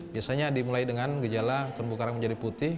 biasanya dimulai dengan gejala terumbu karang menjadi putih